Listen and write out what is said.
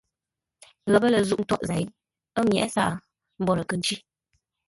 Ghəpə́ lə zûʼ ntǎghʼ zêi, ə́ myǎghʼ sǎʼ, mbwórə kə̂ ncí.